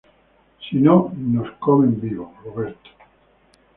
si no, nos comen vivos. Roberto.